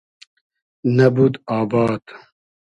نئبود آباد